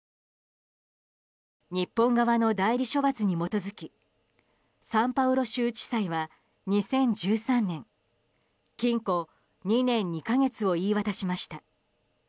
日本側の代理処罰に基づきサンパウロ州地裁は２０１３年、禁錮２年２か月を言い渡しました。